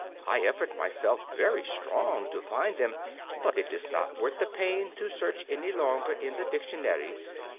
I effort myself very strong to find them, but it is not worth the pain to search any longer in the dictionary.